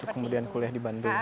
kemudian kuliah di bandung